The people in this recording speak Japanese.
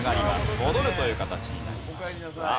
戻るという形になりました。